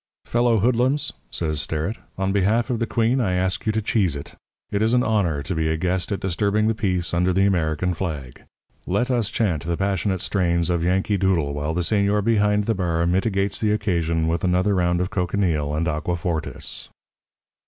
"'Fellow hoodlums,' says Sterrett, 'on behalf of the Queen I ask you to cheese it. It is an honour to be a guest at disturbing the peace under the American flag. Let us chant the passionate strains of "Yankee Doodle" while the señor behind the bar mitigates the occasion with another round of cochineal and aqua fortis.'